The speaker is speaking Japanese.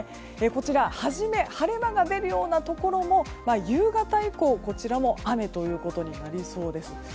こちら、はじめは晴れ間が出るようなところも夕方以降、こちらも雨となりそうです。